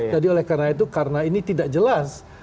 jadi karena itu karena ini tidak jelas